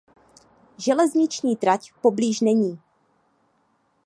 Železniční trať poblíž není.